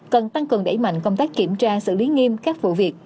cần tăng cường đẩy mạnh công tác kiểm tra xử lý nghiêm các vụ việc